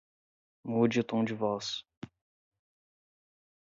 Mude o tom de voz